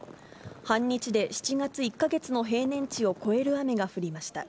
半日で７月１か月の平年値を超える雨が降りました。